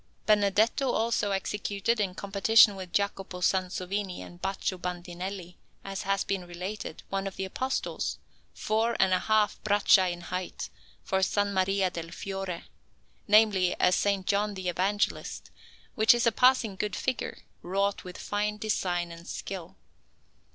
Benedetto also executed, in competition with Jacopo Sansovino and Baccio Bandinelli, as has been related, one of the Apostles, four and a half braccia in height, for S. Maria del Fiore namely, a S. John the Evangelist, which is a passing good figure, wrought with fine design and skill.